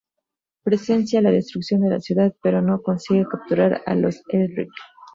Presencia la destrucción de la ciudad, pero no consigue capturar a los Elric.